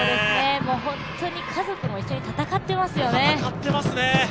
本当に家族も一緒に戦ってますよね。